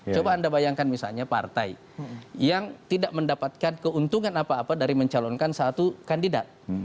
coba anda bayangkan misalnya partai yang tidak mendapatkan keuntungan apa apa dari mencalonkan satu kandidat